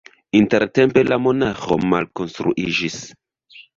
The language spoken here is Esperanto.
Intertempe la monaĥo malkonstruiĝis.